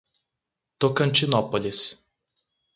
Tocantinópolis